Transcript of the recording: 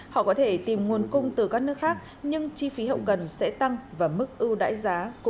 họ có thể tìm nguồn cung từ các nước khác nhưng chi phí hậu gần sẽ tăng và mức ưu đại giá